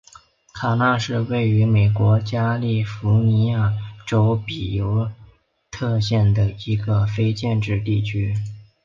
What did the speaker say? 卡纳是位于美国加利福尼亚州比尤特县的一个非建制地区。